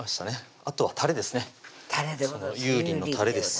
あとはたれですね